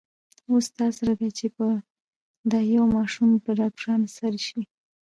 اوس ستا زړه دی چې په دا يوه ماشوم په ډاکټرانو سر شې.